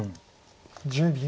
１０秒。